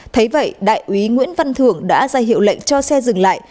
thấy vậy đại úy nguyễn văn thưởng đã ra hiệu lệnh cho xe dừng lại